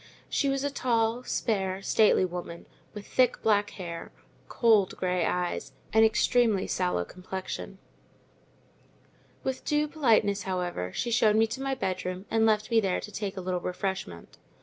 She was a tall, spare, stately woman, with thick black hair, cold grey eyes, and extremely sallow complexion. With due politeness, however, she showed me my bedroom, and left me there to take a little refreshment.